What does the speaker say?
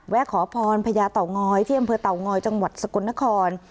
แวะขอพรพญาเตางอยเที่ยงเภอเตางอยจังหวัดสกลนคร